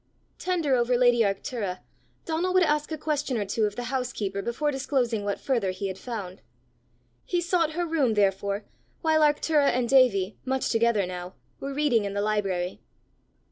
Tender over lady Arctura, Donal would ask a question or two of the housekeeper before disclosing what further he had found. He sought her room, therefore, while Arctura and Davie, much together now, were reading in the library.